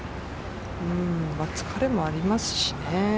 疲れもありますしね。